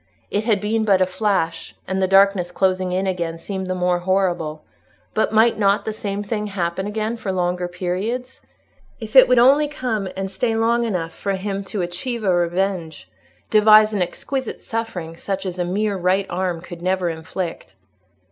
It had been but a flash, and the darkness closing in again seemed the more horrible; but might not the same thing happen again for longer periods? If it would only come and stay long enough for him to achieve a revenge—devise an exquisite suffering, such as a mere right arm could never inflict!